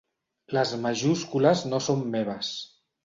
Les majúscules no són meves.